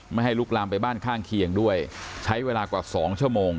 ไม่ให้ลุกลามไปบ้านข้างเคียงด้วยใช้เวลากว่าสองชั่วโมง